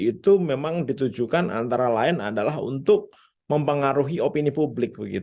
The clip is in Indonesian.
itu memang ditujukan antara lain adalah untuk mempengaruhi opini publik